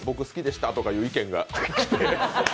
好きでしたとか、そういう意見が。